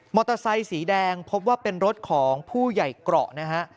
เตอร์ไซค์สีแดงพบว่าเป็นรถของผู้ใหญ่เกราะนะฮะ